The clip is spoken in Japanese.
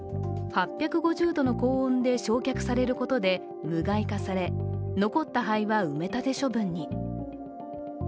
８５０度の高温で焼却されることで無害化され、残った灰は埋め立て処分に。